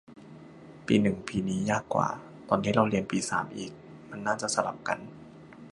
ปีหนึ่งปีนี้ ยากกว่า ตอนที่เราเรียนปีสามอีก มันน่าจะสลับกัน